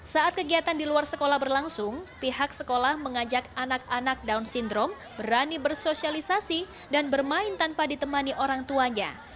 saat kegiatan di luar sekolah berlangsung pihak sekolah mengajak anak anak down syndrome berani bersosialisasi dan bermain tanpa ditemani orang tuanya